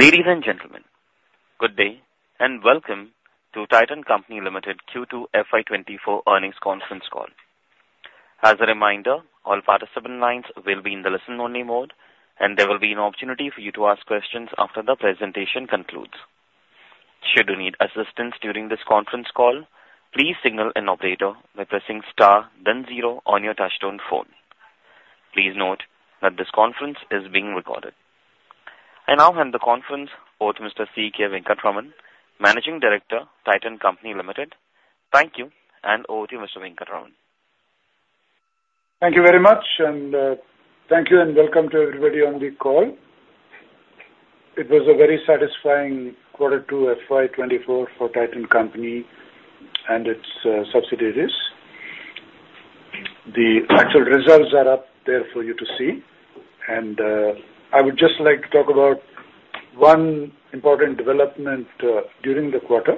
Ladies and gentlemen, good day, and welcome to Titan Company Limited Q2 FY 2024 earnings conference call. As a reminder, all participant lines will be in the listen-only mode, and there will be an opportunity for you to ask questions after the presentation concludes. Should you need assistance during this conference call, please signal an operator by pressing star, then zero on your touchtone phone. Please note that this conference is being recorded. I now hand the conference over to Mr. C.K. Venkataraman, Managing Director, Titan Company Limited. Thank you, and over to you, Mr. Venkataraman. Thank you very much, and thank you and welcome to everybody on the call. It was a very satisfying quarter two FY24 for Titan Company and its subsidiaries. The actual results are up there for you to see, and I would just like to talk about one important development during the quarter,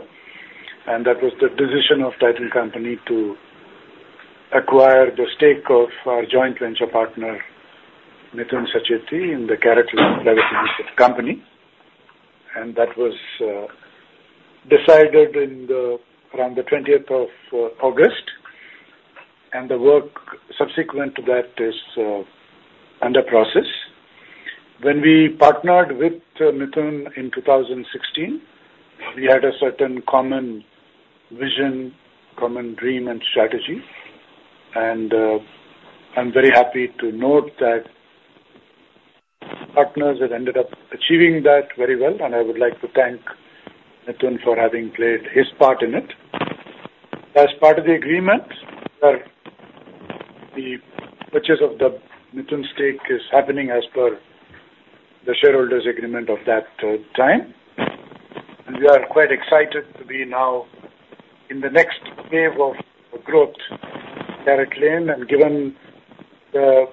and that was the decision of Titan Company to acquire the stake of our joint venture partner, Mithun Sacheti, in the CaratLane Trading Private Limited. And that was decided in the around the 20th of August, and the work subsequent to that is under process. When we partnered with Mithun in 2016, we had a certain common vision, common dream, and strategy, and, I'm very happy to note that partners have ended up achieving that very well, and I would like to thank Mithun for having played his part in it. As part of the agreement, the purchase of the Mithun stake is happening as per the shareholders agreement of that, time. And we are quite excited to be now in the next wave of growth, CaratLane, and given the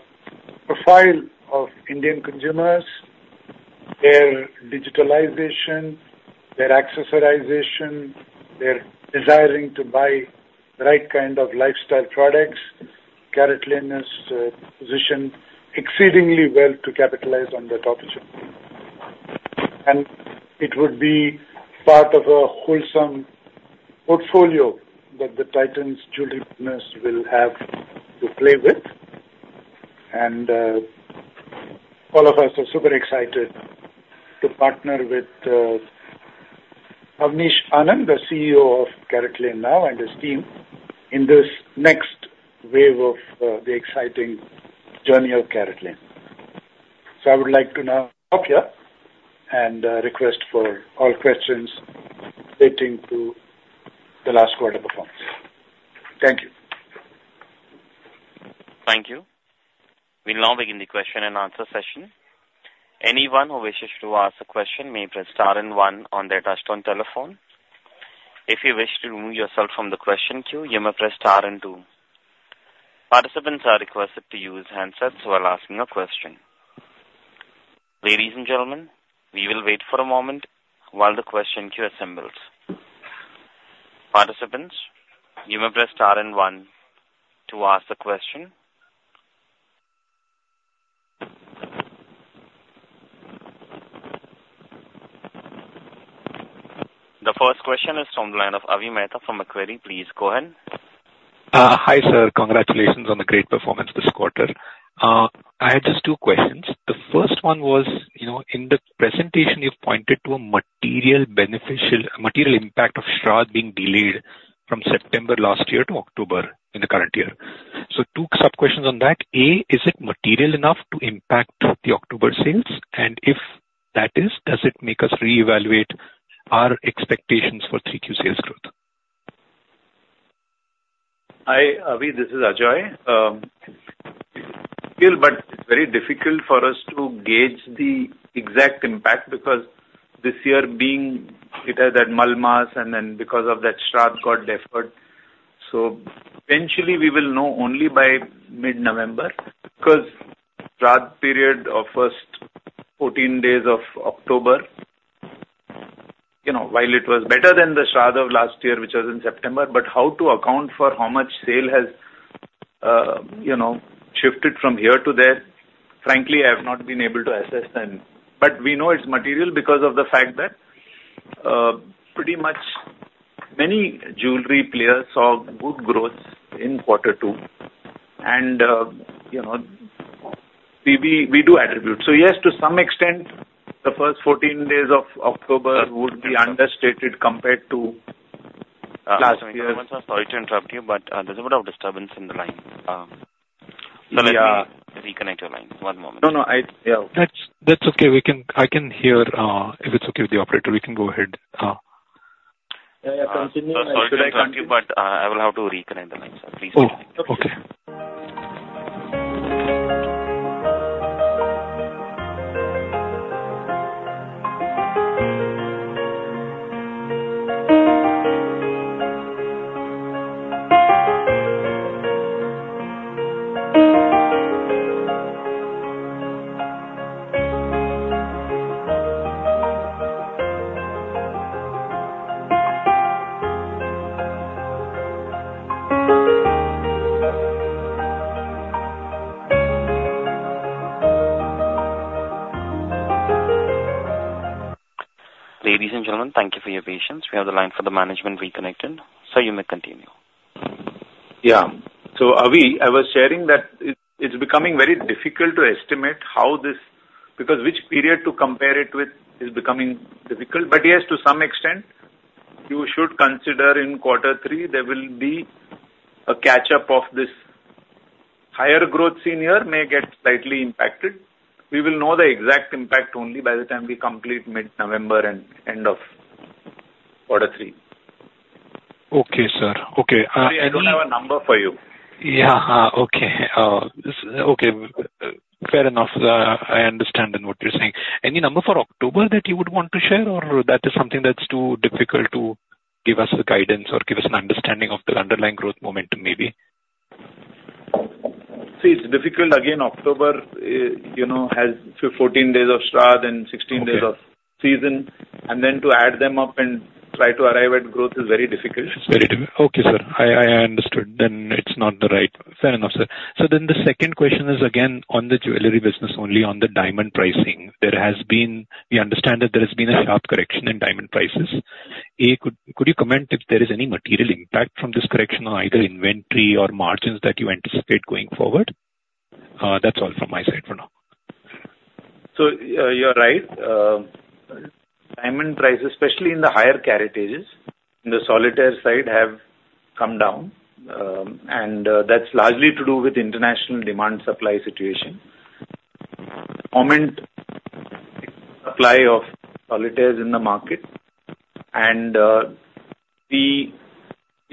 profile of Indian consumers, their digitalization, their accessorization, their desiring to buy the right kind of lifestyle products, CaratLane is, positioned exceedingly well to capitalize on that opportunity. And it would be part of a wholesome portfolio that the Titan's jewellery Business will have to play with. All of us are super excited to partner with Avnish Anand, the CEO of CaratLane now, and his team, in this next wave of the exciting journey of CaratLane. So I would like to now stop here and request for all questions relating to the last quarter performance. Thank you. Thank you. We'll now begin the question and answer session. Anyone who wishes to ask a question may press star and one on their touchtone telephone. If you wish to remove yourself from the question queue, you may press star and two. Participants are requested to use handsets while asking a question. Ladies and gentlemen, we will wait for a moment while the question queue assembles. Participants, you may press star and one to ask the question. The first question is from the line of Avi Mehta from Macquarie. Please go ahead. Hi, sir. Congratulations on the great performance this quarter. I had just two questions. The first one was, you know, in the presentation, you pointed to a material, beneficial, material impact of Shradh being delayed from September last year to October in the current year. So two sub-questions on that: A, is it material enough to impact the October sales? And if that is, does it make us reevaluate our expectations for three-Q sales growth? Hi, Avi, this is Ajoy. Still, but very difficult for us to gauge the exact impact, because this year being it has that Malmas and then because of that, Shradh got deferred. So eventually we will know only by mid-November, because Shradh period of first 14 days of October, you know, while it was better than the Shradh of last year, which was in September, but how to account for how much sale has, you know, shifted from here to there, frankly, I have not been able to assess then. But we know it's material because of the fact that, pretty much many jewellery players saw good growth in quarter two. And, you know, we, we, we do attribute. So yes, to some extent, the first 14 days of October would be understated compared to, last year's- Sorry to interrupt you, but, there's a bit of disturbance in the line. Let me reconnect your line. One moment. No, no, that's okay. We can, I can hear, if it's okay with the operator, we can go ahead. Yeah, yeah. Continue. Sorry to interrupt you, but, I will have to reconnect the line, sir. Please. Oh, okay. Ladies and gentlemen, thank you for your patience. We have the line for the management reconnected. Sir, you may continue. Yeah. So Avi, I was sharing that it, it's becoming very difficult to estimate how this, because which period to compare it with is becoming difficult. But yes, to some extent, you should consider in quarter three, there will be a catch-up of this higher growth seen here may get slightly impacted. We will know the exact impact only by the time we complete mid-November and end of quarter three. Okay, sir. Okay, Sorry, I don't have a number for you. Yeah. Okay. Okay, fair enough. I understand then what you're saying. Any number for October that you would want to share, or that is something that's too difficult to give us a guidance or give us an understanding of the underlying growth momentum, maybe? See, it's difficult. Again, October, you know, has 14 days of Shradh and 16 days- Okay. off season, and then to add them up and try to arrive at growth is very difficult. Okay, sir. I understood. Fair enough, sir. So then the second question is again on the jewellery business, only on the diamond pricing. We understand that there has been a sharp correction in diamond prices. Could you comment if there is any material impact from this correction on either inventory or margins that you anticipate going forward? That's all from my side for now. So, you're right. Diamond prices, especially in the higher caratages, in the solitaire side, have come down, and that's largely to do with international demand-supply situation, combined supply of solitaires in the market, and we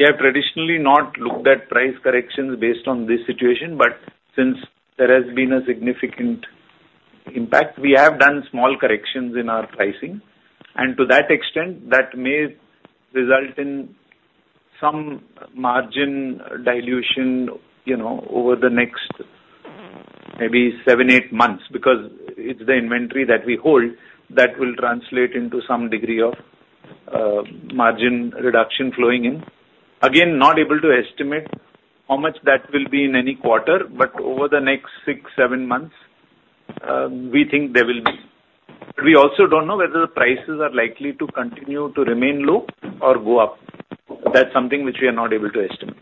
have traditionally not looked at price corrections based on this situation. But since there has been a significant impact, we have done small corrections in our pricing, and to that extent, that may result in some margin dilution, you know, over the next maybe seven to eight months, because it's the inventory that we hold that will translate into some degree of margin reduction flowing in. Again, not able to estimate how much that will be in any quarter, but over the next six to seven months, we think there will be. We also don't know whether the prices are likely to continue to remain low or go up. That's something which we are not able to estimate.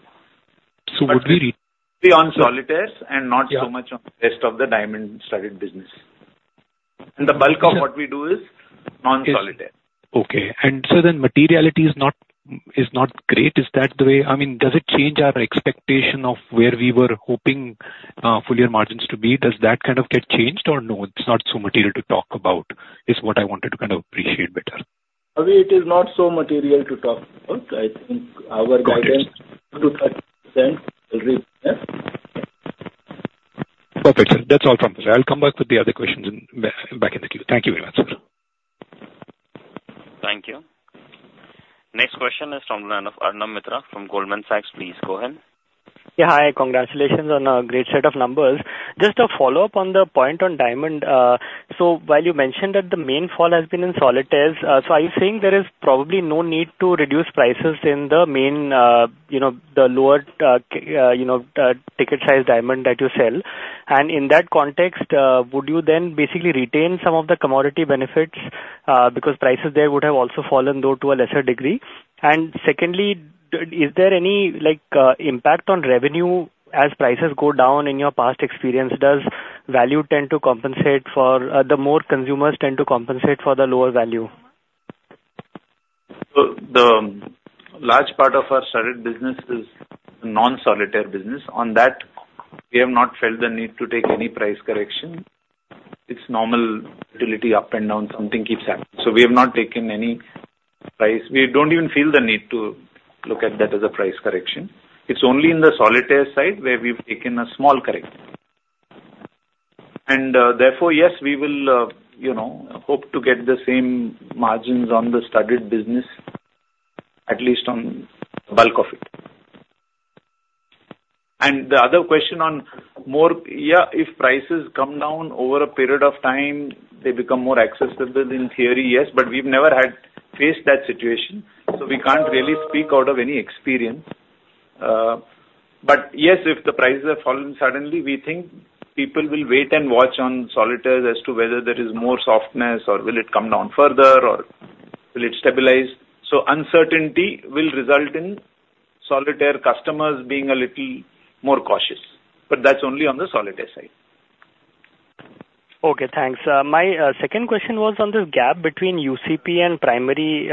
So would we. Be on solitaires and not so much on the rest of the diamond-studded business. And the bulk of what we do is non-solitaire. Okay, and so then materiality is not, is not great. Is that the way... I mean, does it change our expectation of where we were hoping, full year margins to be? Does that kind of get changed or no, it's not so material to talk about, is what I wanted to kind of appreciate better. Avi, it is not so material to talk about. I think our guidance. Got it. 2%-30% every year. Perfect, sir. That's all from me. I'll come back with the other questions, back in the queue. Thank you very much, sir. Thank you. Next question is from the line of Arnab Mitra from Goldman Sachs. Please go ahead. Yeah, hi. Congratulations on a great set of numbers. Just a follow-up on the point on diamond. So while you mentioned that the main fall has been in solitaires, so are you saying there is probably no need to reduce prices in the main, you know, the lower, you know, ticket size diamond that you sell? And in that context, would you then basically retain some of the commodity benefits, because prices there would have also fallen, though to a lesser degree. And secondly, is there any, like, impact on revenue as prices go down? In your past experience, does value tend to compensate for the more consumers tend to compensate for the lower value? So the large part of our studded business is non-solitaire business. On that, we have not felt the need to take any price correction. It's normal utility, up and down, something keeps happening. So we have not taken any price. We don't even feel the need to look at that as a price correction. It's only in the solitaire side, where we've taken a small correction. And, therefore, yes, we will, you know, hope to get the same margins on the studded business, at least on bulk of it. And the other question on more, Yeah, if prices come down over a period of time, they become more accessible. In theory, yes, but we've never had faced that situation, so we can't really speak out of any experience. But yes, if the prices are falling suddenly, we think people will wait and watch on solitaires as to whether there is more softness or will it come down further or will it stabilize. So uncertainty will result in solitaire customers being a little more cautious, but that's only on the solitaire side. Okay, thanks. My second question was on the gap between UCP and primary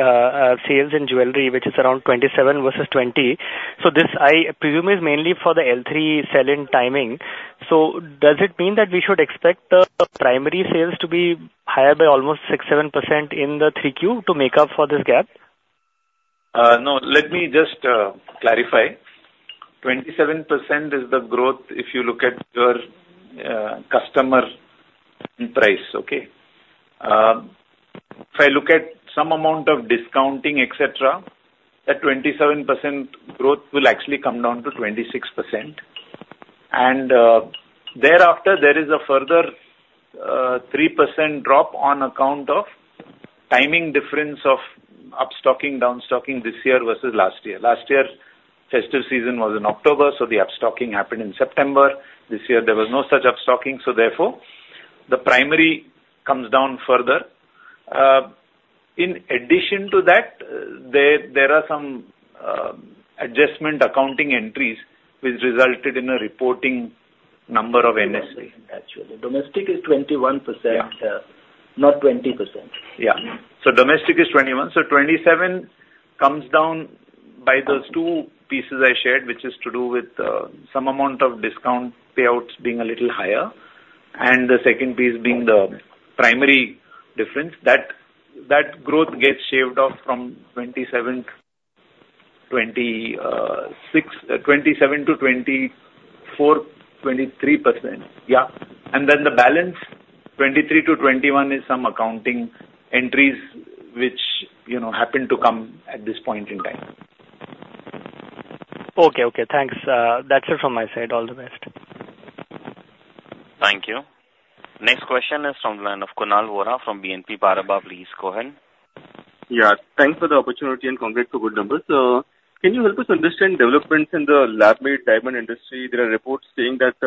sales and jewellery, which is around 27 versus 20. So this, I presume, is mainly for the L3 selling timing. So does it mean that we should expect primary sales to be higher by almost 6%-7% in the Q3 to make up for this gap? No. Let me just clarify. 27% is the growth if you look at your customer price, okay? If I look at some amount of discounting, et cetera, that 27% growth will actually come down to 26%. And thereafter, there is a further three percent drop on account of timing difference of upstocking, downstocking this year versus last year. Last year, festive season was in October, so the upstocking happened in September. This year there was no such upstocking, so therefore, the primary comes down further. In addition to that, there are some adjustment accounting entries which resulted in a reporting number of NS- Actually, domestic is 21%, not 20%. Yeah. So domestic is 21%. So 27% comes down by those two pieces I shared, which is to do with some amount of discount payouts being a little higher, and the second piece being the primary difference, that growth gets shaved off from 27% to 26%, 27% to 24%, 23%. Yeah. And then the balance, 23% to 21%, is some accounting entries, which, you know, happen to come at this point in time. Okay, okay, thanks. That's it from my side. All the best. Thank you. Next question is from the line of Kunal Vora from BNP Paribas. Please go ahead. Yeah, thanks for the opportunity, and congrats for good numbers. Can you help us understand developments in the lab-made diamond industry? There are reports saying that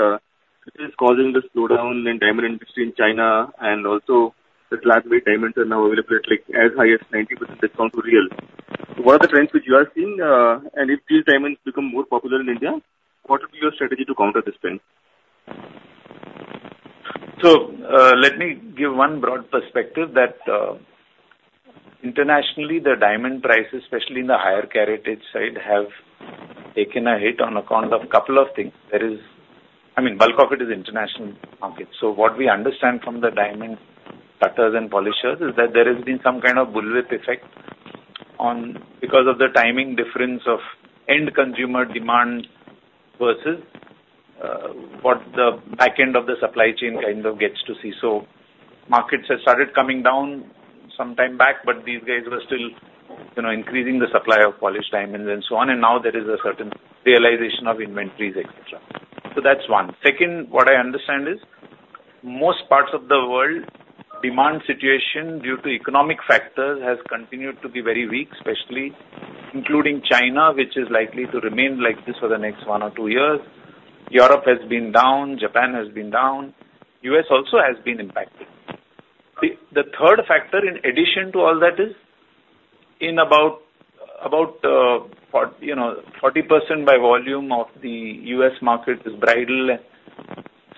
this is causing the slowdown in diamond industry in China, and also that lab-made diamonds are now available at, like, as high as 90% discount to real. What are the trends which you are seeing, and if these diamonds become more popular in India, what would be your strategy to counter this trend? So, let me give one broad perspective that, internationally, the diamond prices, especially in the higher caratage side, have taken a hit on account of couple of things. There is... I mean, bulk of it is international market. So what we understand from the diamond cutters and polishers is that there has been some kind of bullwhip effect on, because of the timing difference of end consumer demand versus, what the back end of the supply chain kind of gets to see. So markets have started coming down some time back, but these guys were still, you know, increasing the supply of polished diamonds and so on, and now there is a certain realization of inventories, et cetera. So that's one. Second, what I understand is, most parts of the world, demand situation, due to economic factors, has continued to be very weak, especially including China, which is likely to remain like this for the next one or two years. Europe has been down, Japan has been down, U.S. also has been impacted. The third factor in addition to all that is, in about 40%, you know, by volume of the U.S. market is bridal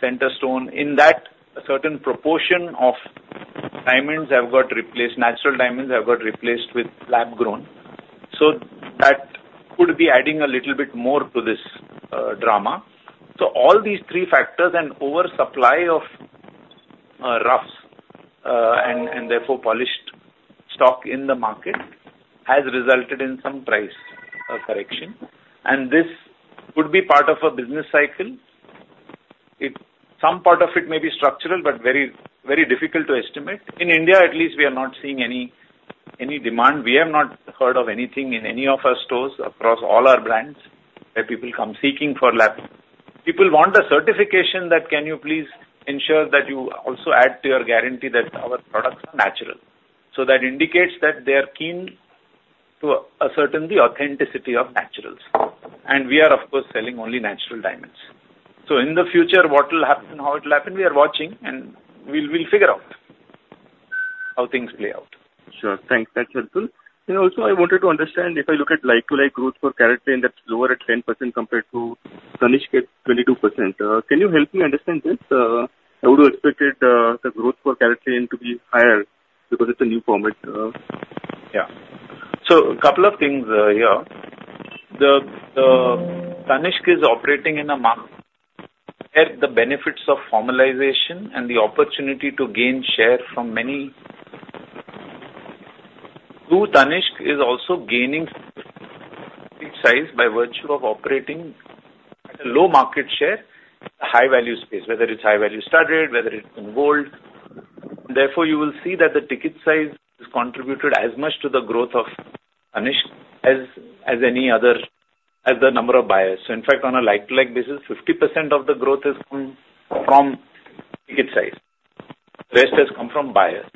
center stone. In that, a certain proportion of diamonds have got replaced, natural diamonds have got replaced with lab-grown. So that could be adding a little bit more to this drama. So all these three factors and oversupply of roughs and therefore polished stock in the market has resulted in some price correction, and this could be part of a business cycle. It, some part of it may be structural, but very, very difficult to estimate. In India, at least, we are not seeing any demand. We have not heard of anything in any of our stores across all our brands, where people come seeking for lab. People want a certification that can you please ensure that you also add to your guarantee that our products are natural. So that indicates that they are keen to ascertain the authenticity of naturals. And we are, of course, selling only natural diamonds. So in the future, what will happen, how it will happen, we are watching, and we'll figure out how things play out. Sure. Thanks. That's helpful. And also, I wanted to understand, if I look at like-to-like growth for CaratLane, that's lower at 10% compared to Tanishq at 22%. Can you help me understand this? I would have expected the growth for CaratLane to be higher because it's a new format. Yeah. So a couple of things, here. The Tanishq is operating in a market, have the benefits of formalization and the opportunity to gain share from many. Two, Tanishq is also gaining size by virtue of operating at a low market share, high value space, whether it's high value studded, whether it's in gold. Therefore, you will see that the ticket size has contributed as much to the growth of Tanishq as, as any other, as the number of buyers. So in fact, on a like-to-like basis, 50% of the growth has come from ticket size. The rest has come from buyers.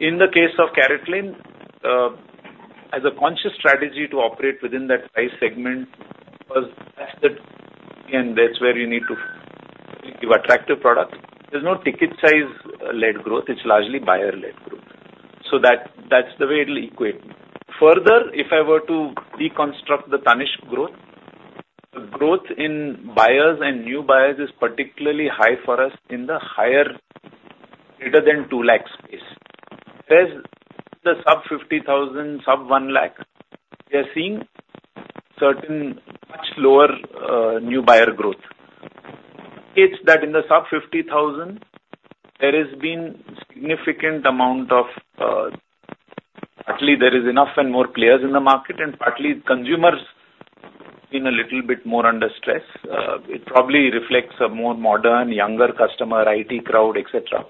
In the case of CaratLane, as a conscious strategy to operate within that price segment, was tested, and that's where you need to give attractive products. There's no ticket size-led growth, it's largely buyer-led growth. So that, that's the way it'll equate. Further, if I were to deconstruct the Tanishq growth, the growth in buyers and new buyers is particularly high for us in the higher, greater than 200,000 space. Whereas the sub 50,000, sub 100,000, we are seeing certain much lower new buyer growth. It's that in the sub 50,000, there has been significant amount of, partly there is enough and more players in the market, and partly consumers being a little bit more under stress. It probably reflects a more modern, younger customer, IT crowd, et cetera.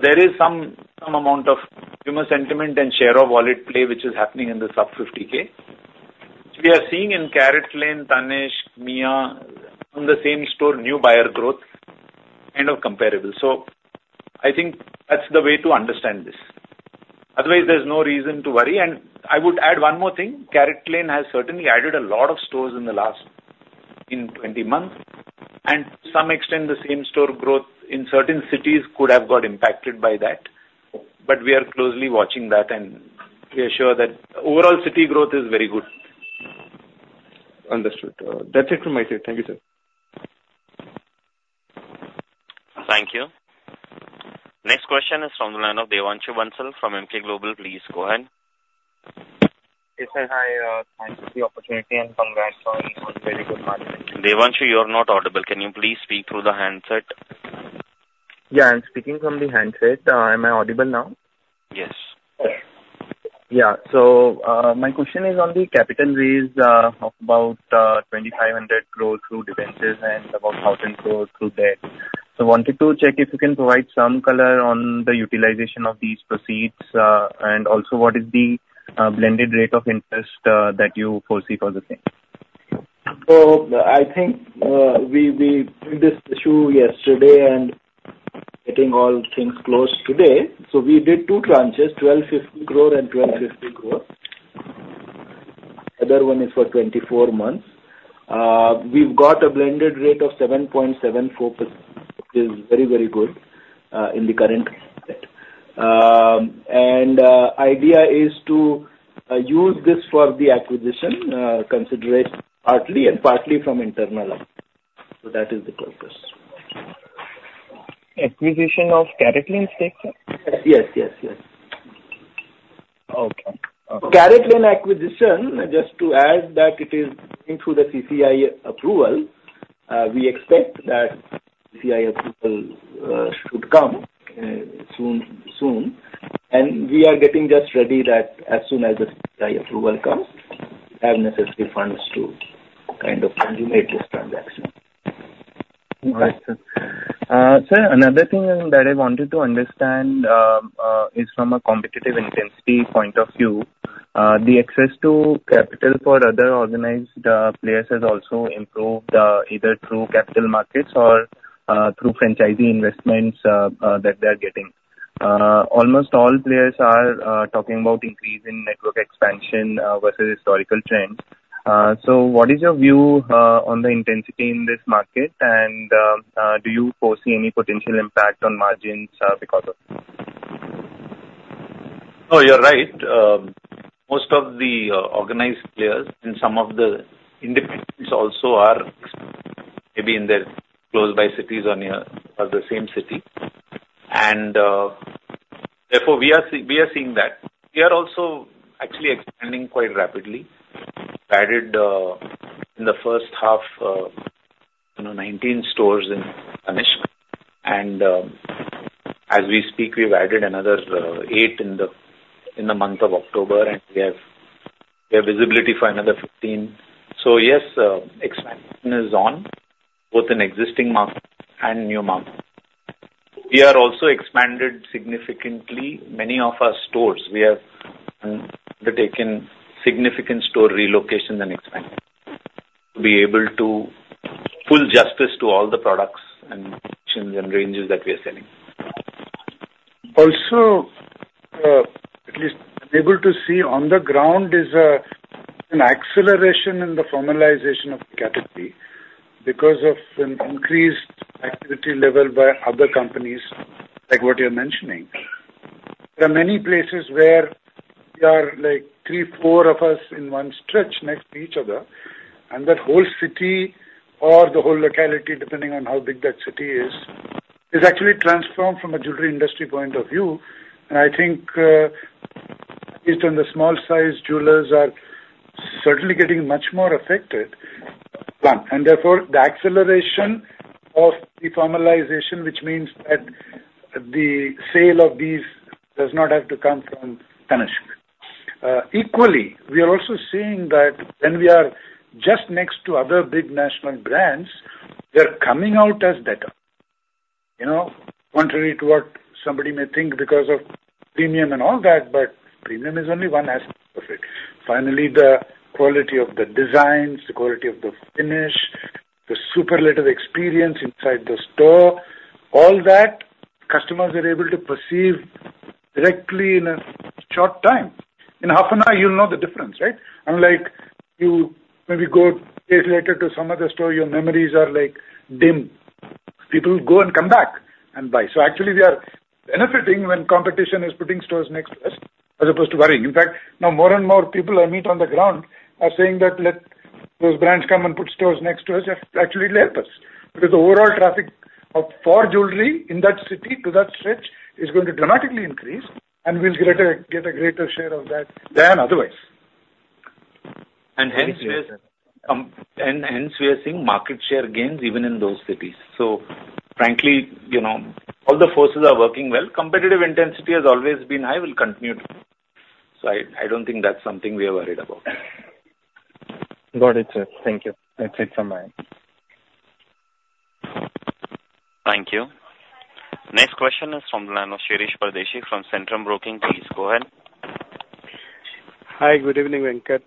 There is some, some amount of consumer sentiment and share of wallet play, which is happening in the sub 50K. We are seeing in CaratLane, Tanishq, Mia, from the same store, new buyer growth, kind of comparable. So I think that's the way to understand this. Otherwise, there's no reason to worry. I would add one more thing: CaratLane has certainly added a lot of stores in the last 20 months, and to some extent, the same store growth in certain cities could have got impacted by that. But we are closely watching that, and we are sure that overall city growth is very good. Understood. That's it from my side. Thank you, sir. Thank you. Next question is from the line of Devanshu Bansal from Emkay Global. Please go ahead. Yes, sir. Hi, thanks for the opportunity, and congrats on the very good quarter. Devanshu, you are not audible. Can you please speak through the handset? Yeah, I'm speaking from the handset. Am I audible now? Yes. Yeah. So, my question is on the capital raise of about INR 2,500 crore through debentures and about INR 1,000 crore through debt. So wanted to check if you can provide some color on the utilization of these proceeds, and also what is the blended rate of interest that you foresee for the same? I think we did this issue yesterday and getting all things closed today. We did two tranches, 1,250 crore and 1,250 crore. Other one is for 24 months. We've got a blended rate of 7.74%, is very, very good in the current rate. And idea is to use this for the acquisition consideration partly and partly from internal. So that is the purpose. Acquisition of CaratLane stake, sir? Yes, yes, yes. Okay. Okay. CaratLane acquisition, just to add that it is in through the CCI approval. We expect that CCI approval should come soon, soon. And we are getting just ready that as soon as the CCI approval comes, have necessary funds to kind of consummate this transaction. All right, sir. Sir, another thing that I wanted to understand is from a competitive intensity point of view, the access to capital for other organized players has also improved, either through capital markets or through franchisee investments that they're getting. Almost all players are talking about increase in network expansion versus historical trends. So what is your view on the intensity in this market? And do you foresee any potential impact on margins because of it? No, you're right. Most of the organized players and some of the independents also are maybe in their close by cities or near or the same city. And therefore, we are seeing that. We are also actually expanding quite rapidly. We added in the first half you know, 19 stores in Tanishq. And as we speak, we've added another 8 in the month of October, and we have visibility for another 15. So yes, expansion is on, both in existing markets and new markets. We are also expanded significantly many of our stores. We have undertaken significant store relocations and expansion to be able to do full justice to all the products and changes and ranges that we are selling. Also, at least I'm able to see on the ground is an acceleration in the formalization of the category because of an increased activity level by other companies, like what you're mentioning. There are many places where we are like three, four of us in one stretch next to each other, and that whole city or the whole locality, depending on how big that city is, is actually transformed from a jewellery industry point of view. I think, at least on the small size, jewellers are certainly getting much more affected. Therefore, the acceleration of the formalization, which means that the sale of these does not have to come from Tanishq. Equally, we are also seeing that when we are just next to other big national brands, we are coming out as better. You know, contrary to what somebody may think because of premium and all that, but premium is only one aspect of it. Finally, the quality of the designs, the quality of the finish, the superior experience inside the store, all that, customers are able to perceive directly in a short time. In half an hour, you'll know the difference, right? Unlike, you maybe go a day later to some other store, your memories are, like, dim. People go and come back and buy. So actually, we are benefiting when competition is putting stores next to us, as opposed to worrying. In fact, now more and more people I meet on the ground are saying that, "Let those brands come and put stores next to us, actually it will help us." Because the overall traffic for jewellery in that city to that stretch is going to dramatically increase, and we'll get a greater share of that than otherwise. And hence we are seeing market share gains even in those cities. So frankly, you know, all the forces are working well. Competitive intensity has always been high, will continue to be. So I don't think that's something we are worried about. Got it, sir. Thank you. That's it from my end. Thank you. Next question is from the line of Shirish Pardeshi from Centrum Broking. Please go ahead. Hi, good evening, Venkat,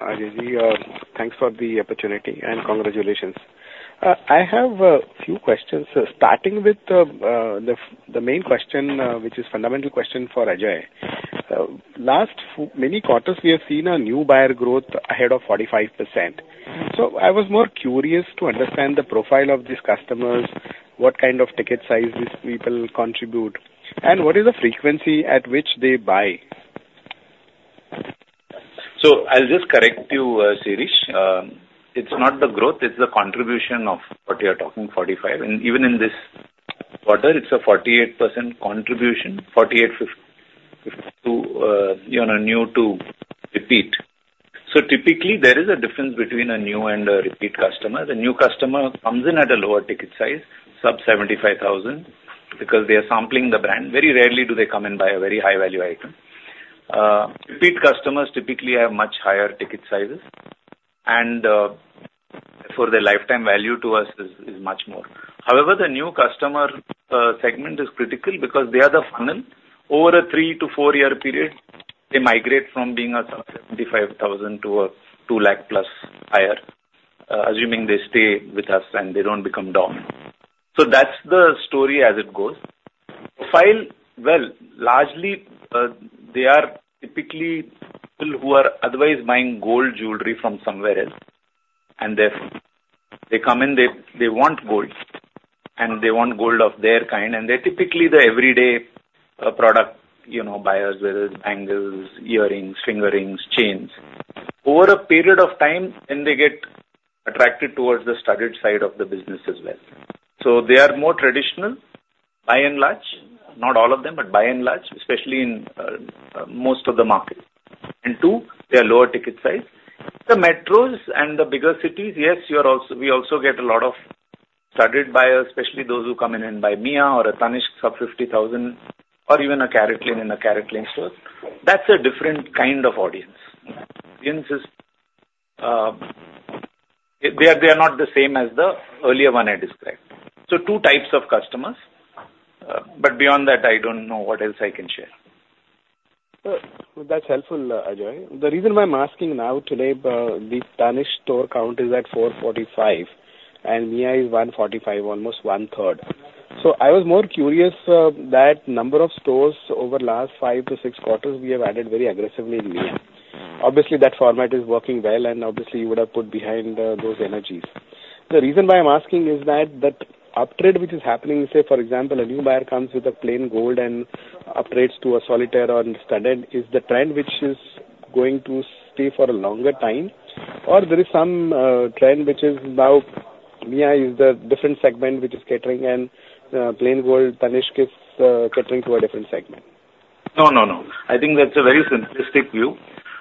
Ajoyji, thanks for the opportunity and congratulations. I have a few questions, starting with the main question, which is fundamental question for Ajoy. Last many quarters, we have seen a new buyer growth ahead of 45%. So I was more curious to understand the profile of these customers, what kind of ticket size these people contribute, and what is the frequency at which they buy? So I'll just correct you, Shirish. It's not the growth, it's the contribution of what you're talking, 45. And even in this quarter, it's a 48% contribution, 48-52, year-on-year to repeat. So typically, there is a difference between a new and a repeat customer. The new customer comes in at a lower ticket size, sub 75,000, because they are sampling the brand. Very rarely do they come and buy a very high value item. Repeat customers typically have much higher ticket sizes, and, for their lifetime value to us is, is much more. However, the new customer segment is critical because they are the funnel. Over a three-tofour-year period, they migrate from being a sub 75,000 to a 200,000+ buyer, assuming they stay with us and they don't become dorm. So that's the story as it goes. Profile, well, largely, they are typically people who are otherwise buying gold jewellery from somewhere else, and they come in, they want gold, and they want gold of their kind, and they're typically the everyday product, you know, buyers, whether it's bangles, earrings, finger rings, chains. Over a period of time, then they get attracted towards the studded side of the business as well. So they are more traditional, by and large, not all of them, but by and large, especially in most of the market. And two, they are lower ticket size. The metros and the bigger cities, yes, we also get a lot of studded buyers, especially those who come in and buy Mia or a Tanishq of 50,000 or even a CaratLane in a CaratLane store. That's a different kind of audience. Audience is. They are not the same as the earlier one I described. So two types of customers, but beyond that, I don't know what else I can share. That's helpful, Ajoy. The reason why I'm asking now, today, the Tanishq store count is at 445, and Mia is 145, almost one third. So I was more curious, that number of stores over the last 5-6 quarters, we have added very aggressively in Mia. Obviously, that format is working well, and obviously, you would have put behind, those energies. The reason why I'm asking is that, that upgrade which is happening, say, for example, a new buyer comes with a plain gold and upgrades to a solitaire or studded, is the trend which is going to stay for a longer time, or there is some, trend which is now Mia is the different segment which is catering and, plain gold Tanishq is, catering to a different segment? No, no, no. I think that's a very simplistic view.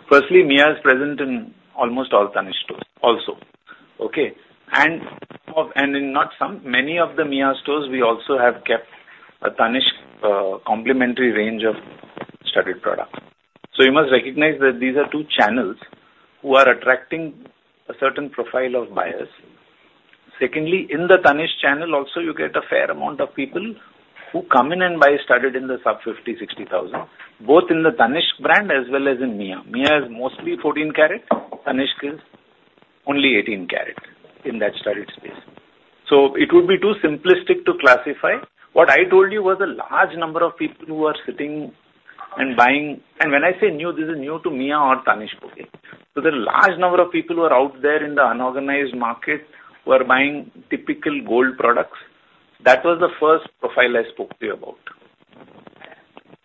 Firstly, Mia is present in almost all Tanishq stores also. Okay? And, and in not some, many of the Mia stores, we also have kept a Tanishq complimentary range of studded products. So you must recognize that these are two channels who are attracting a certain profile of buyers. Secondly, in the Tanishq channel also, you get a fair amount of people who come in and buy studded in the sub 50,000-60,000, both in the Tanishq brand as well as in Mia. Mia is mostly 14 karat, Tanishq is only 18 karat in that studded space. So it would be too simplistic to classify. What I told you was a large number of people who are sitting and buying... And when I say new, this is new to Mia or Tanishq. So the large number of people who are out there in the unorganized market, who are buying typical gold products, that was the first profile I spoke to you about.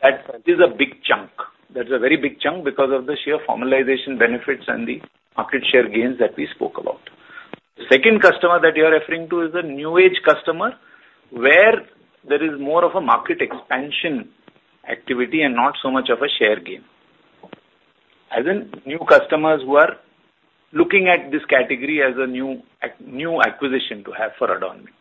That is a big chunk. That is a very big chunk because of the sheer formalization benefits and the market share gains that we spoke about. The second customer that you are referring to is a new age customer, where there is more of a market expansion activity and not so much of a share gain. As in new customers who are looking at this category as a new acquisition to have for adornment.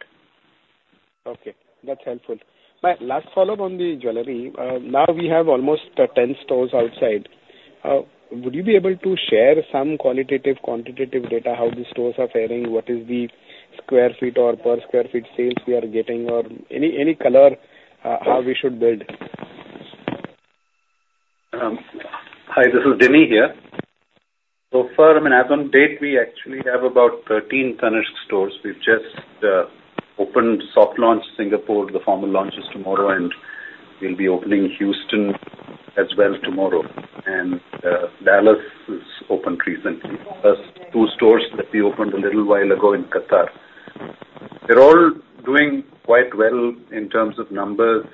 Okay, that's helpful. My last follow-up on the jewellery, now we have almost 10 stores outside. Would you be able to share some qualitative, quantitative data, how the stores are faring? What is the sq ft or per sq ft sales we are getting or any, any color, how we should build? Hi, this is Mitra here. So far, I mean, as on date, we actually have about 13 Tanishq stores. We've just opened soft launch, Singapore. The formal launch is tomorrow, and we'll be opening Houston as well tomorrow. Dallas is opened recently. Plus, 2 stores that we opened a little while ago in Qatar. They're all doing quite well in terms of numbers.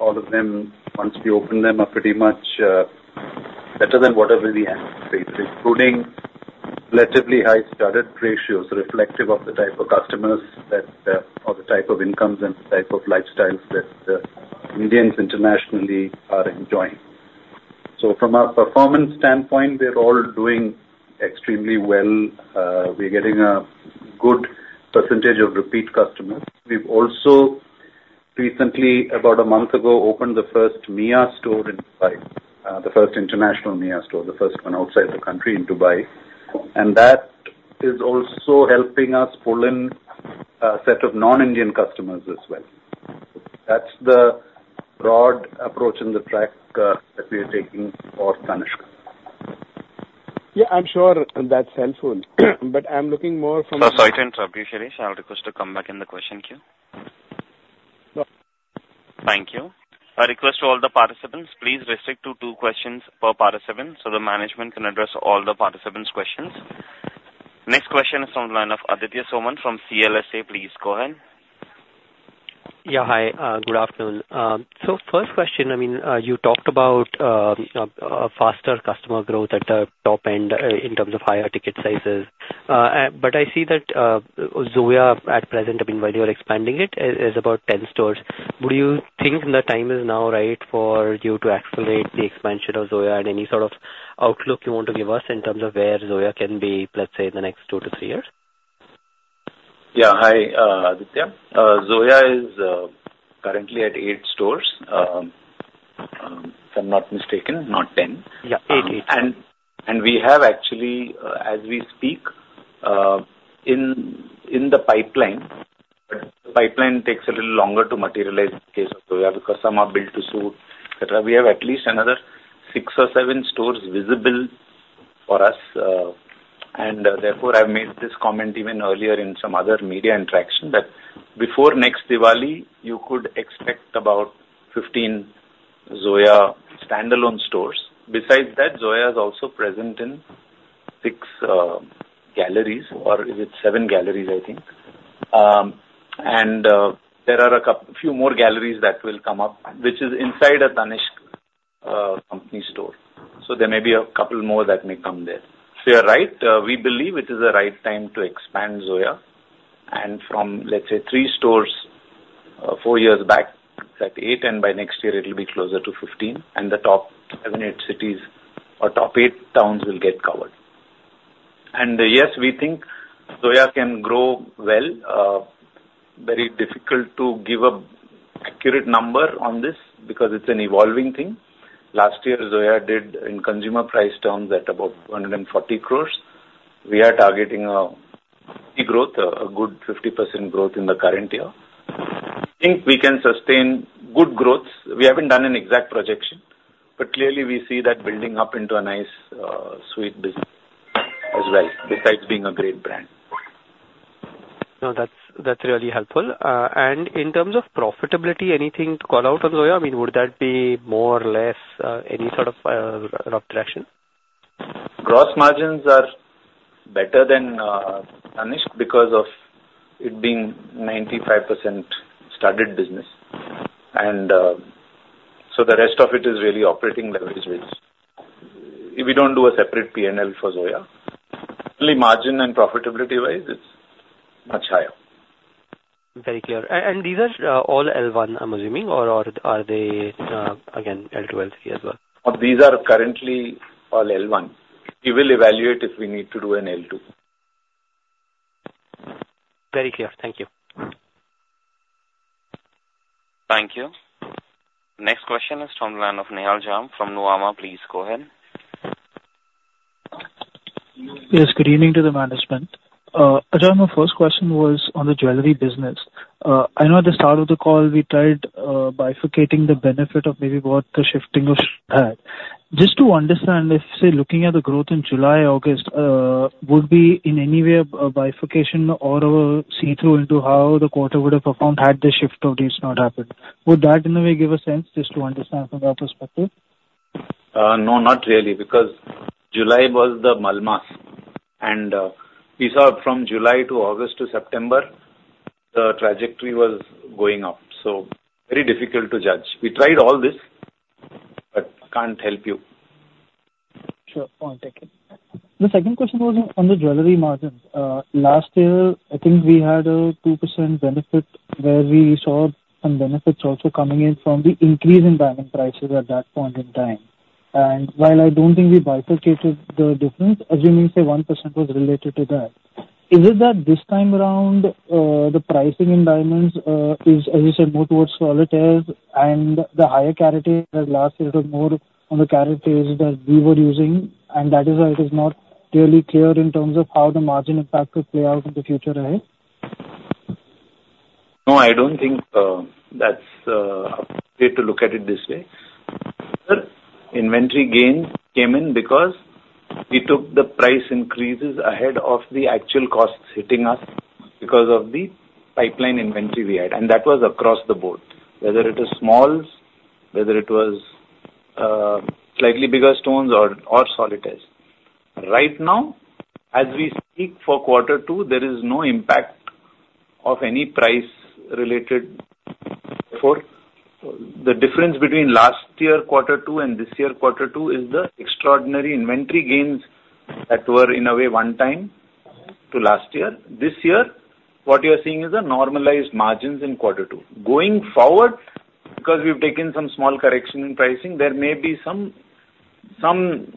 All of them, once we open them, are pretty much better than whatever we had anticipated, including relatively high studded ratios, reflective of the type of customers that or the type of incomes and the type of lifestyles that Indians internationally are enjoying. So from a performance standpoint, we're all doing extremely well. We're getting a good percentage of repeat customers. We've also recently, about a month ago, opened the first Mia store in Dubai, the first international Mia store, the first one outside the country in Dubai. That is also helping us pull in a set of non-Indian customers as well. That's the broad approach and the track that we are taking for Tanishq. Yeah, I'm sure that's helpful. But I'm looking more from. Sorry to interrupt you, Suresh. I'll request to come back in the question queue. No. Thank you. I request all the participants, please restrict to two questions per participant, so the management can address all the participants' questions. Next question is from the line of Aditya Soman from CLSA. Please go ahead. Yeah, hi. Good afternoon. So first question, I mean, you talked about a faster customer growth at the top end in terms of higher ticket sizes. But I see that Zoya at present, I mean, while you are expanding it, is about 10 stores. Would you think the time is now right for you to accelerate the expansion of Zoya and any sort of outlook you want to give us in terms of where Zoya can be, let's say, in the next two to three years? Yeah. Hi, Aditya. Zoya is currently at eight stores, if I'm not mistaken, not 10. Yeah, eight, eight. We have actually, as we speak, in the pipeline. But the pipeline takes a little longer to materialize in case of Zoya, because some are built to suit. But we have at least another six or seven stores visible for us, and therefore, I've made this comment even earlier in some other media interaction, that before next Diwali, you could expect about 15 Zoya standalone stores. Besides that, Zoya is also present in six, or is it seven galleries, I think. And there are a few more galleries that will come up, which is inside a Tanishq company store. So there may be a couple more that may come there. So you're right, we believe it is the right time to expand Zoya. From, let's say, three stores, four years back, it's at eight, and by next year it will be closer to 15, and the top seven, eight cities or top eight towns will get covered. And yes, we think Zoya can grow well. Very difficult to give an accurate number on this because it's an evolving thing. Last year, Zoya did, in consumer price terms, at about 140 crore. We are targeting, growth, a good 50% growth in the current year. I think we can sustain good growth. We haven't done an exact projection, but clearly we see that building up into a nice, sweet business as well, besides being a great brand. No, that's, that's really helpful. In terms of profitability, anything to call out on Zoya? I mean, would that be more or less, any sort of rough direction? Gross margins are better than Tanishq because of it being 95% studded business. And so the rest of it is really operating leverage, which we don't do a separate P&L for Zoya. Only margin and profitability-wise, it's much higher. Very clear. And these are all L1, I'm assuming, or are they again L2, L3 as well? These are currently all L1. We will evaluate if we need to do an L2. Very clear. Thank you. Thank you. Next question is from the line of Nehal Shah from Nuvama. Please go ahead. Yes, good evening to the management. Ajoy, my first question was on the jewellery business. I know at the start of the call, we tried bifurcating the benefit of maybe what the shifting of Eid had. Just to understand if, say, looking at the growth in July, August, would be in any way a bifurcation or a see-through into how the quarter would have performed had the shift of these not happened. Would that, in a way, give a sense, just to understand from that perspective? No, not really, because July was the Malmas, and we saw from July to August to September, the trajectory was going up, so very difficult to judge. We tried all this, but can't help you. Sure. Fine. Thank you. The second question was on the jewellery margins. Last year, I think we had a 2% benefit, where we saw some benefits also coming in from the increase in diamond prices at that point in time. And while I don't think we bifurcated the difference, assuming, say, 1% was related to that, is it that this time around, the pricing in diamonds is, as you said, more towards solitaires and the higher carats, as last year it was more on the carats that we were using, and that is why it is not really clear in terms of how the margin impact would play out in the future ahead? No, I don't think that's a way to look at it this way. Inventory gains came in because we took the price increases ahead of the actual costs hitting us because of the pipeline inventory we had, and that was across the board, whether it was smalls, whether it was slightly bigger stones or, or solitaires. Right now, as we speak for quarter two, there is no impact of any price related. Therefore, the difference between last year, quarter two, and this year, quarter two, is the extraordinary inventory gains that were, in a way, one-time to last year. This year, what you're seeing is the normalized margins in quarter two. Going forward, because we've taken some small correction in pricing, there may be some-... Some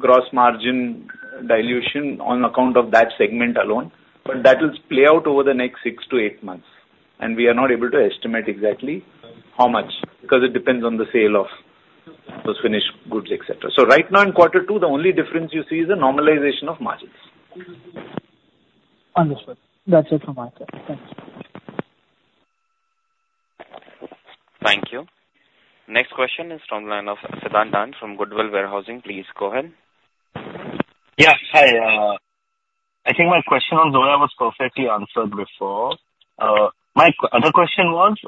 gross margin dilution on account of that segment alone, but that will play out over the next six to eight months, and we are not able to estimate exactly how much, because it depends on the sale of those finished goods, et cetera. So right now, in quarter two, the only difference you see is the normalization of margins. Understood. That's it from my side. Thank you. Thank you. Next question is from the line of Siddhant Dand from Goodwill Warehousing. Please go ahead. Yeah, hi. I think my question on Zoya was perfectly answered before. My other question was,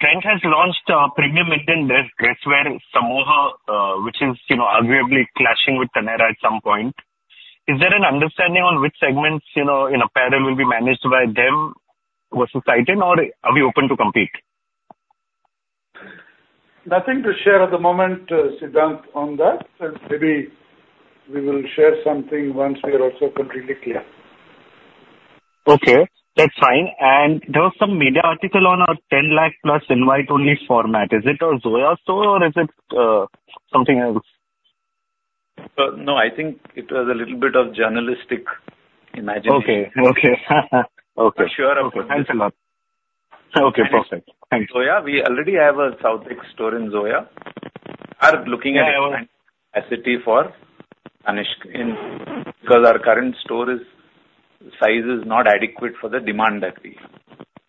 Trent has launched a premium Indian menswear, Samoh, which is, you know, arguably clashing with Taneira at some point. Is there an understanding on which segments, you know, in apparel will be managed by them versus Titan, or are we open to compete? Nothing to share at the moment, Siddhant, on that. Maybe we will share something once we are also completely clear. Okay, that's fine. And there was some media article on a 10 lakh plus invite-only format. Is it a Zoya store or is it something else? No, I think it was a little bit of journalistic imagination. Okay. Okay. Okay. Sure. Thanks a lot. Okay, perfect. Thanks. Zoya, we already have a south store in Zoya. We are looking at capacity for expansion, because our current store size is not adequate for the demand that we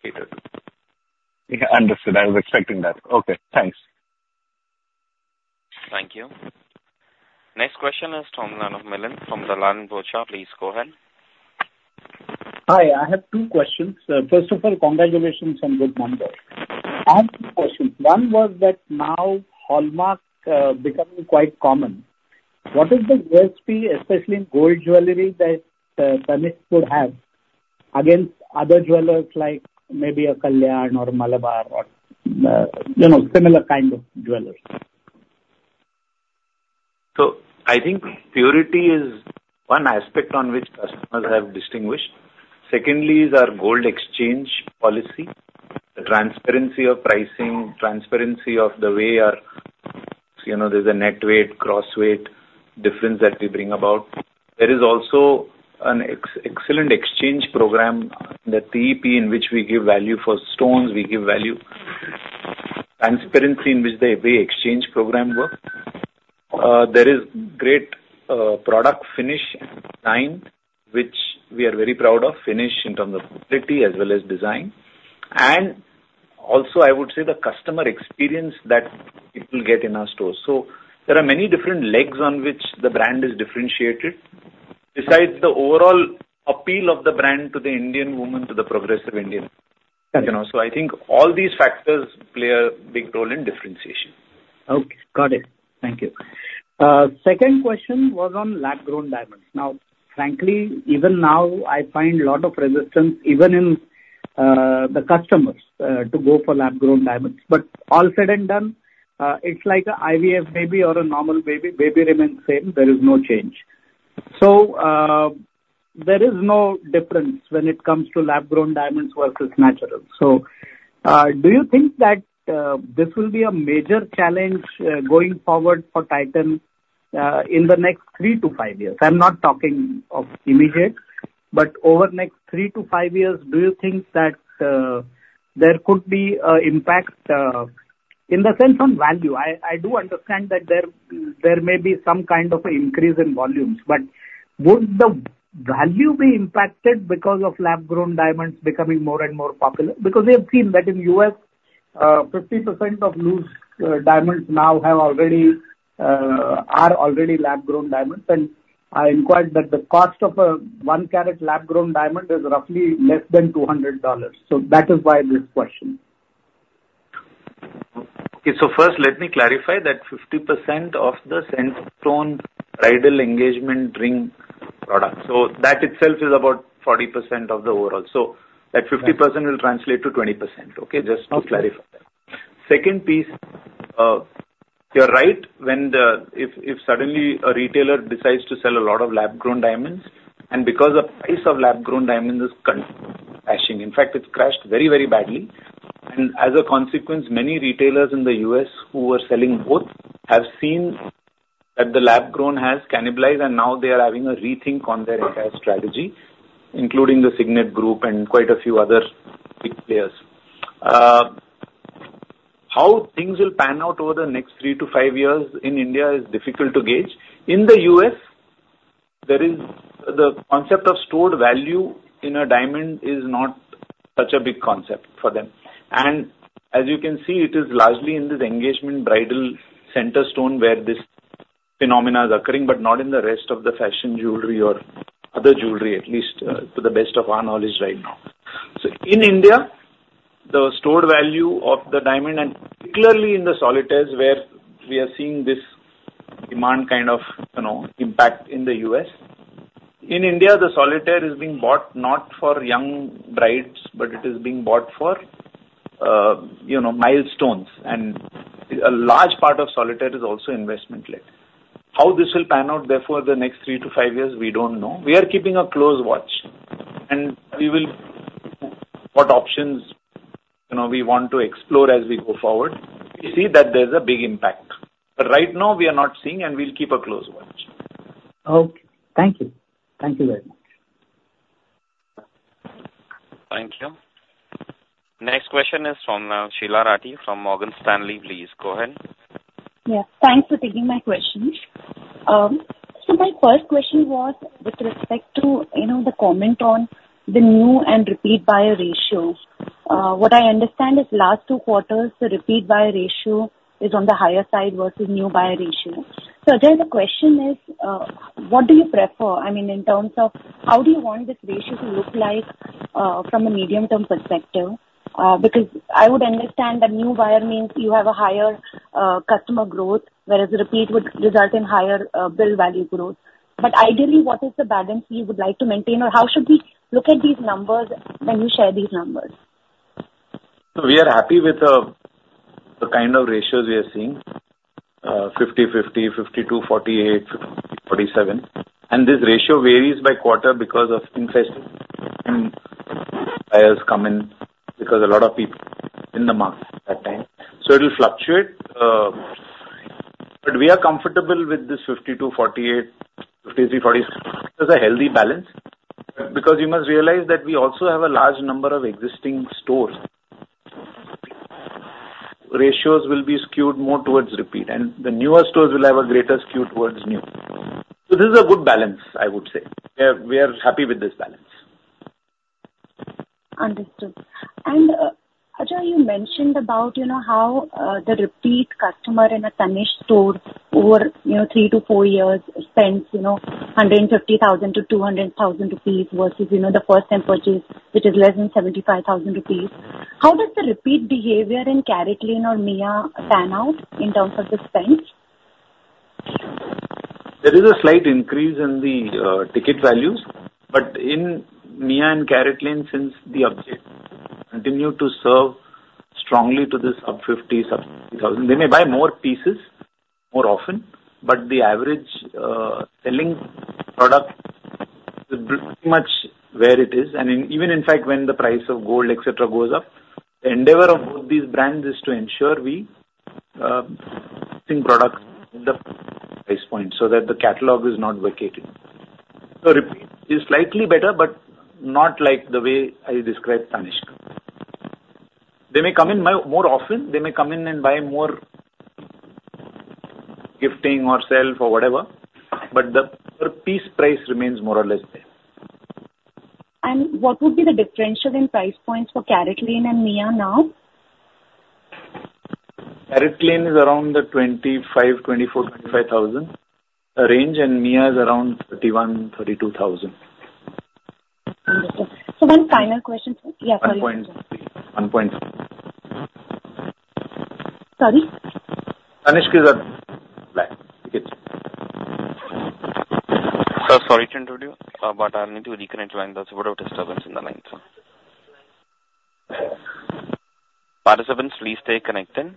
cater. Yeah, understood. I was expecting that. Okay, thanks. Thank you. Next question is from the line of Milind from Dalal & Broacha. Please go ahead. Hi, I have two questions. First of all, congratulations on good numbers. I have two questions. One was that now Hallmark becoming quite common, what is the USP, especially in gold jewellery, that Tanishq could have against other jewellers, like maybe a Kalyan or Malabar or you know, similar kind of jewellers? So I think purity is one aspect on which customers have distinguished. Secondly, is our gold exchange policy, the transparency of pricing, transparency of the way our... You know, there's a net weight, gross weight difference that we bring about. There is also an excellent exchange program, the TEP, in which we give value for stones, we give value, transparency in which the, the exchange program works. There is great product finish and design, which we are very proud of. Finish in terms of purity as well as design. And also, I would say, the customer experience that people get in our stores. So there are many different legs on which the brand is differentiated, besides the overall appeal of the brand to the Indian woman, to the progressive Indian, you know. Okay. I think all these factors play a big role in differentiation. Okay, got it. Thank you. Second question was on lab-grown diamonds. Now, frankly, even now, I find a lot of resistance, even in the customers, to go for lab-grown diamonds. But all said and done, it's like a IVF baby or a normal baby. Baby remains same, there is no change. So, there is no difference when it comes to lab-grown diamonds versus natural. So, do you think that this will be a major challenge, going forward for Titan, in the next three-to-five years? I'm not talking of immediate, but over the next three-to-five years, do you think that there could be a impact, in the sense on value? I do understand that there may be some kind of an increase in volumes, but would the value be impacted because of lab-grown diamonds becoming more and more popular? Because we have seen that in U.S., 50% of loose diamonds now are already lab-grown diamonds. And I inquired that the cost of a one carat lab-grown diamond is roughly less than $200. So that is why this question. Okay, so first let me clarify that 50% of the center stone bridal engagement ring product, so that itself is about 40% of the overall. So that 50%- Right. Will translate to 20%. Okay? Just to clarify. Okay. Second piece, you're right. If suddenly a retailer decides to sell a lot of lab-grown diamonds, and because the price of lab-grown diamonds is crashing. In fact, it's crashed very, very badly. And as a consequence, many retailers in the U.S. who were selling both have seen that the lab-grown has cannibalized, and now they are having a rethink on their entire strategy, including the Signet Group and quite a few other big players. How things will pan out over the next three to five years in India is difficult to gauge. In the U.S., the concept of stored value in a diamond is not such a big concept for them. As you can see, it is largely in this engagement bridal center stone where this phenomena is occurring, but not in the rest of the fashion jewellery or other jewellery, at least, to the best of our knowledge right now. So in India, the stored value of the diamond, and particularly in the solitaires, where we are seeing this demand kind of, you know, impact in the US. In India, the solitaire is being bought not for young brides, but it is being bought for, you know, milestones. And a large part of solitaire is also investment-led. How this will pan out therefore, the next three to five years, we don't know. We are keeping a close watch, and we will- what options, you know, we want to explore as we go forward, we see that there's a big impact. But right now, we are not seeing, and we'll keep a close watch. Okay. Thank you. Thank you very much. Thank you. Next question is from, Sheela Rathi from Morgan Stanley. Please go ahead. Yeah, thanks for taking my questions. So my first question was with respect to, you know, the comment on the new and repeat buyer ratio. What I understand is last two quarters, the repeat buyer ratio is on the higher side versus new buyer ratio. So there the question is, what do you prefer? I mean, in terms of how do you want this ratio to look like, from a medium-term perspective? Because I would understand that new buyer means you have a higher, customer growth, whereas repeat would result in higher, bill value growth. But ideally, what is the balance you would like to maintain? Or how should we look at these numbers when you share these numbers? So we are happy with the kind of ratios we are seeing, 50/50, 50 to 48, 47. And this ratio varies by quarter because of inflation and buyers come in, because a lot of people in the month that time. So it'll fluctuate, but we are comfortable with this 50 to 48, 53/47. It's a healthy balance, because you must realize that we also have a large number of existing stores. Ratios will be skewed more towards repeat, and the newer stores will have a greater skew towards new. So this is a good balance, I would say. We are, we are happy with this balance. Understood. And, Ajoy, you mentioned about, you know, how the repeat customer in a Tanishq store over, you know, three to four years spends, you know, 150,000-200,000 rupees versus, you know, the first time purchase, which is less than 75,000 rupees. How does the repeat behavior in CaratLane or Mia pan out in terms of the spend? There is a slight increase in the ticket values, but in Mia and CaratLane, since the update, continue to serve strongly to the sub-50, sub-1,000. They may buy more pieces more often, but the average selling product is pretty much where it is. And even, in fact, when the price of gold, et cetera, goes up, the endeavor of both these brands is to ensure we products in the price point, so that the catalog is not vacated. So repeat is slightly better, but not like the way I described Tanishq. They may come in buy more often, they may come in and buy more gifting or sale or whatever, but the piece price remains more or less there. What would be the differential in price points for CaratLane and Mia now? CaratLane is around the 25, 24, 25 thousand range, and Mia is around 31, 32 thousand. Understood. So one final question. One point, One point. Sorry? Tanishq is the last ticket. Sir, sorry to interrupt you, but I need to reconnect the line. There's a lot of disturbance in the line. Participants, please stay connected.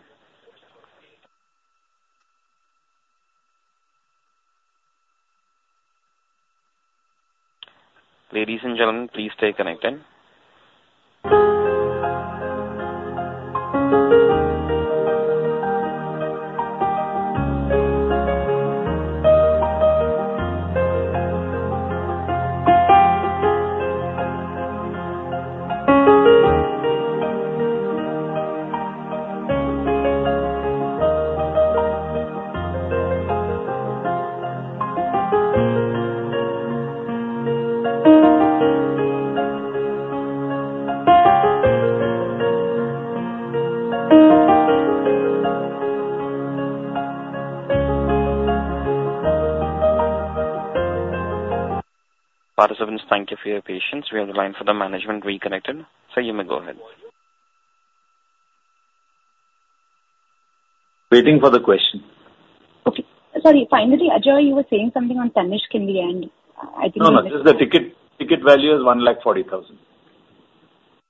Ladies and gentlemen, please stay connected. Participants, thank you for your patience. We have the line for the management reconnected. Sir, you may go ahead. Waiting for the question. Okay. Sorry, finally, Ajoy, you were saying something on Tanishq in the end. I think. No, no. Just the ticket, ticket value is 140,000.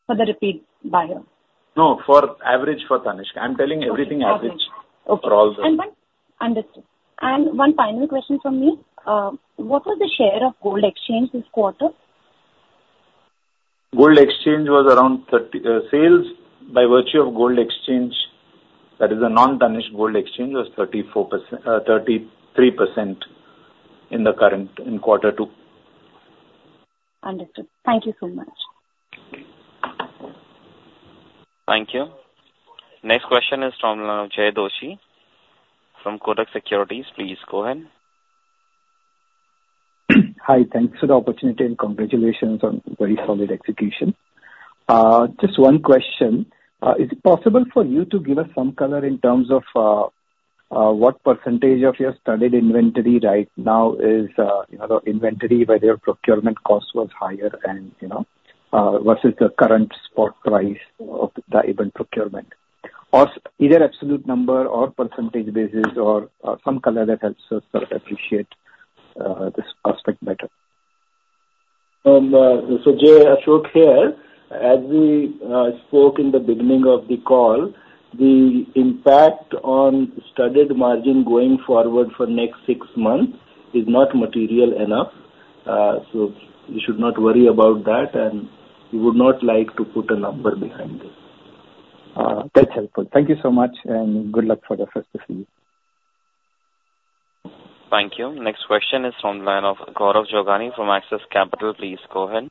For the repeat buyer? No, for average for Tanishq. I'm telling everything average- Okay. For all the, Understood. One final question from me. What was the share of gold exchange this quarter? Gold exchange was around 30%. Sales by virtue of gold exchange, that is a non-Tanishq gold exchange, was 34%, 33% in the current, in quarter two. Understood. Thank you so much. Thank you. Next question is from Jay Doshi from Kotak Securities. Please go ahead. Hi, thanks for the opportunity, and congratulations on very solid execution. Just one question. Is it possible for you to give us some color in terms of, what percentage of your studded inventory right now is, you know, inventory where their procurement cost was higher and, you know, versus the current spot price of the average procurement? Or either absolute number or percentage basis or, some color that helps us sort of appreciate, this aspect better. So, Jay, Ashok here. As we spoke in the beginning of the call. The impact on studded margin going forward for next six months is not material enough, so you should not worry about that, and we would not like to put a number behind it. That's helpful. Thank you so much, and good luck for the festival. Thank you. Next question is from the line of Gaurav Jogani from Axis Capital. Please go ahead.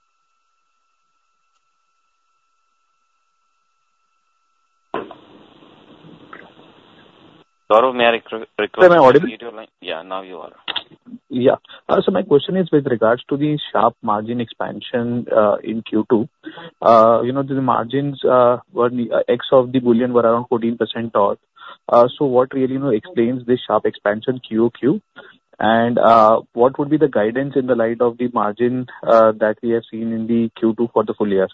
Gaurav, may I request you to unmute your line? Sir, I'm audible. Yeah, now you are. Yeah. So my question is with regards to the sharp margin expansion in Q2. You know, the margins were, ex of the bullion, were around 14% odd. So what really, you know, explains this sharp expansion QOQ? And what would be the guidance in the light of the margin that we have seen in the Q2 for the full year?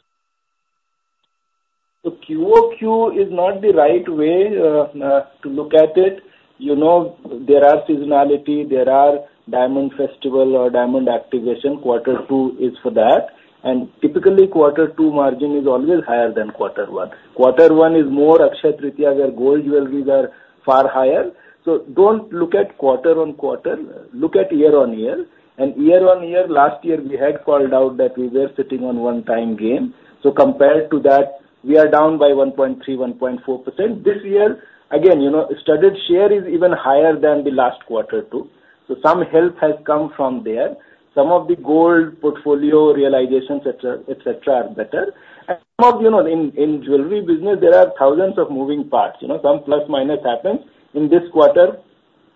So QOQ is not the right way, uh, uh, to look at it. You know, there are seasonality, there are diamond festival or diamond activation. Quarter two is for that, and typically, quarter two margin is always higher than quarter one. Quarter one is more Akshaya Tritiya, where gold jewelries are far higher. So don't look at quarter-on-quarter, look at year-on-year. And year-on-year, last year we had called out that we were sitting on one-time gain, so compared to that, we are down by 1.3%, 1.4%. This year, again, you know, studded share is even higher than the last quarter, too. So some help has come from there. Some of the gold portfolio realizations, extra, et cetera, are better. And some, you know, in, in jewellery business, there are thousands of moving parts, you know. Some plus, minus happens. In this quarter,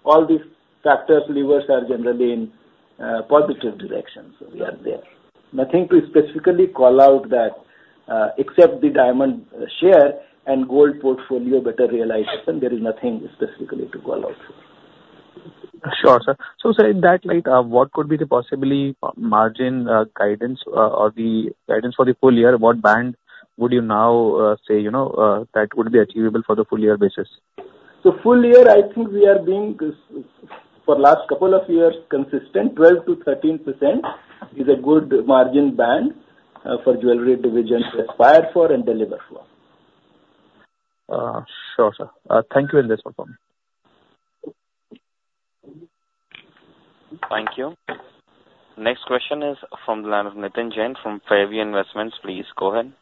all these factors, levers, are generally in positive direction, so we are there. Nothing to specifically call out that, except the diamond share and gold portfolio better realization, there is nothing specifically to call out. Sure, sir. So, sir, in that light, what could be the possibly margin guidance, or the guidance for the full year? What band would you now say, you know, that would be achievable for the full year basis? Full year, I think we are being consistent for last couple of years. 12%-13% is a good margin band for jewellery division, to aspire for and deliver for. Sure, sir. Thank you in this for me. Thank you. Next question is from the line of Nitin Jain from Fairview Investments. Please go ahead.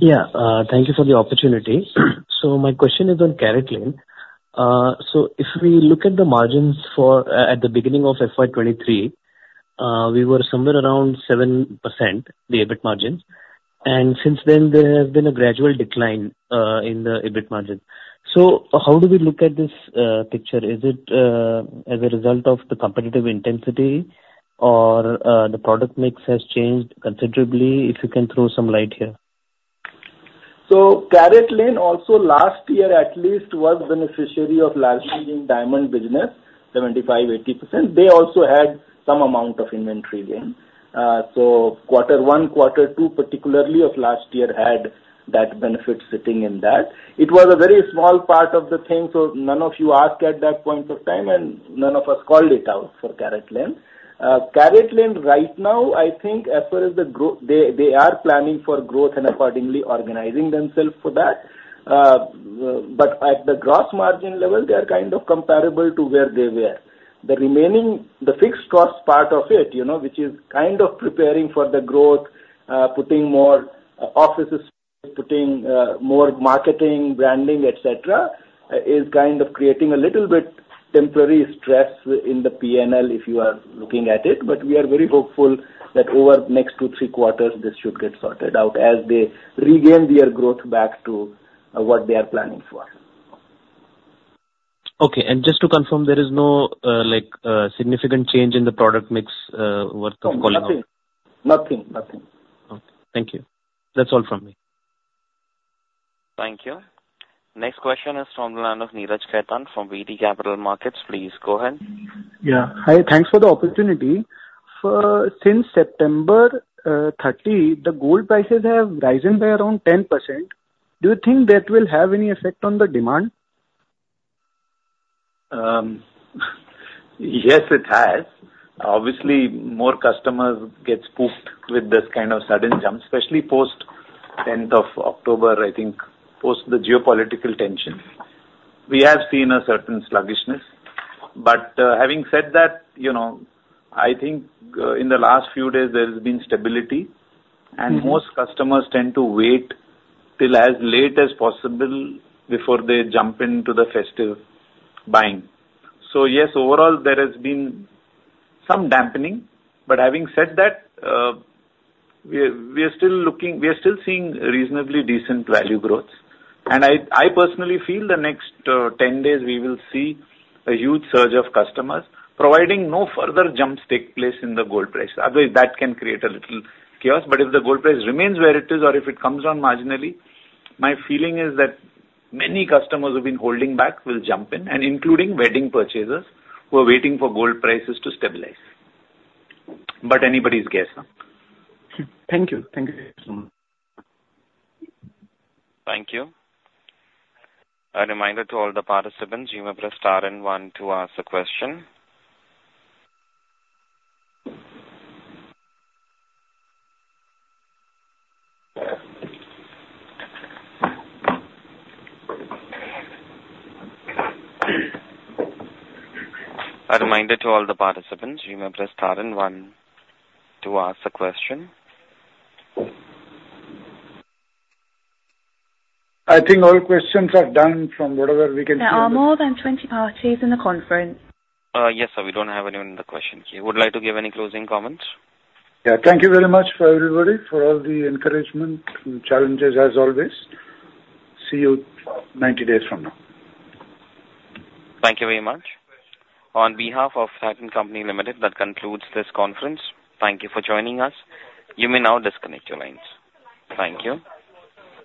Yeah, thank you for the opportunity. So my question is on CaratLane. So if we look at the margins for at the beginning of FY 2023, we were somewhere around 7%, the EBIT margins, and since then, there has been a gradual decline in the EBIT margin. So how do we look at this picture? Is it as a result of the competitive intensity or the product mix has changed considerably? If you can throw some light here. So CaratLane also last year, at least, was beneficiary of large change in diamond business, 75%-80%. They also had some amount of inventory gain. So quarter one, quarter two, particularly of last year, had that benefit sitting in that. It was a very small part of the thing, so none of you asked at that point of time, and none of us called it out for CaratLane. CaratLane, right now, I think as far as the growth. They, they are planning for growth and accordingly organizing themselves for that. But at the gross margin level, they are kind of comparable to where they were. The remaining, the fixed cost part of it, you know, which is kind of preparing for the growth, putting more offices, putting more marketing, branding, et cetera, is kind of creating a little bit temporary stress in the PNL if you are looking at it. But we are very hopeful that over next two, three quarters, this should get sorted out as they regain their growth back to what they are planning for. Okay. Just to confirm, there is no, like, significant change in the product mix, worth calling out? Nothing. Nothing, nothing. Okay. Thank you. That's all from me. Thank you. Next question is from the line of Neeraj Khaitan from VT Capital Markets. Please go ahead. Yeah. Hi, thanks for the opportunity. Since September 30, the gold prices have risen by around 10%. Do you think that will have any effect on the demand? Yes, it has. Obviously, more customers get spooked with this kind of sudden jump, especially post 10th of October, I think, post the geopolitical tension. We have seen a certain sluggishness. But, having said that, you know, I think, in the last few days there has been stability and most customers tend to wait till as late as possible before they jump into the festive buying. So yes, overall there has been some dampening, but having said that, we're, we're still looking. We are still seeing reasonably decent value growth. And I, I personally feel the next 10 days, we will see a huge surge of customers, providing no further jumps take place in the gold price. Otherwise, that can create a little chaos. But if the gold price remains where it is or if it comes down marginally, my feeling is that many customers who have been holding back will jump in, and including wedding purchasers who are waiting for gold prices to stabilize. But anybody's guess, huh? Thank you. Thank you. Thank you. A reminder to all the participants, you may press star and one to ask the question. A reminder to all the participants, you may press star and one to ask a question. I think all questions are done from whatever we can get. There are more than 20 parties in the conference. Yes, sir, we don't have anyone in the questions here. Would you like to give any closing comments? Yeah. Thank you very much for everybody, for all the encouragement and challenges as always. See you 90 days from now. Thank you very much. On behalf of Titan Company Limited, that concludes this conference. Thank you for joining us. You may now disconnect your lines. Thank you.